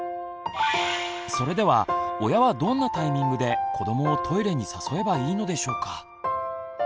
それでは親はどんなタイミングで子どもをトイレに誘えばいいのでしょうか？